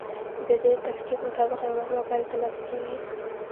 د دې تفکیک مطابق یوه مهمه پایله ترلاسه کیږي.